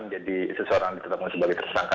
seseorang ditetapkan sebagai tersangka